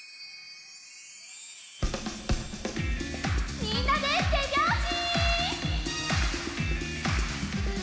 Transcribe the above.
みんなでてびょうし！